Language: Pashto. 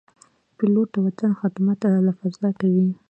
پیلوټ د وطن خدمت له فضا کوي.